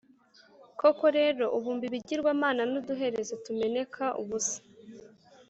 Koko rero, ubumba ibigirwamana n’uduherezo tumeneka ubusa,